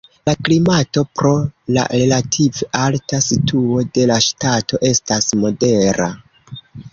La klimato pro la relative alta situo de la ŝtato estas modera.